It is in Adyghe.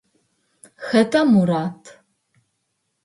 Хэта Мурат?